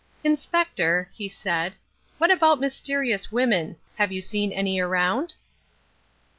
"Inspector," he said, "what about mysterious women? Have you seen any around?"